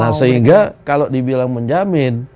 nah sehingga kalau dibilang menjamin